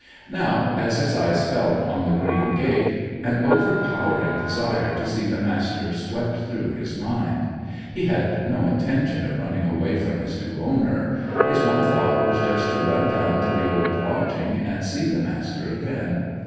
Now, as his eyes fell upon the green gate, an overpowering desire to see the Master swept through his mind. He had no intention of running away from his new owner. His one thought was just to run down to the old lodging and see the Master again.